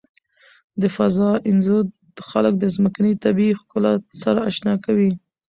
د فضا انځور خلک د ځمکې د طبیعي ښکلا سره آشنا کوي.